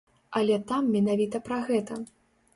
Але там менавіта пра гэта.